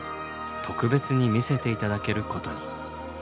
特別に見せて頂けることに。